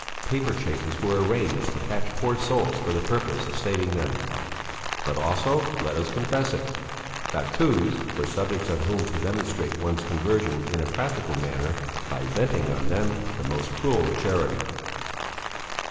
Paper chases were arranged to catch poor souls for the purpose of saving them; but also, let us confess it, battues for subjects on whom to demonstrate one's conversion in a practical manner, by venting on them the most cruel charity.